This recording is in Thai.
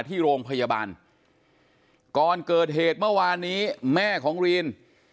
ที่โรงพยาบาลก่อนเกิดเหตุเมื่อวานนี้แม่ของรีน